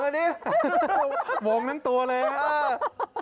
ไม่เหมือนตรงไหนเอาปากกามาวง